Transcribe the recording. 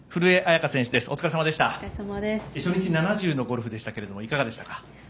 初日７０のゴルフですけどいかがでしたか。